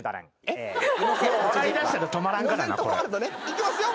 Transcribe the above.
いきますよ。